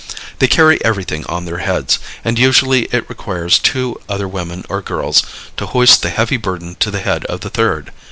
They carry everything on their heads, and usually it requires two other women or girls to hoist the heavy burden to the head of the third.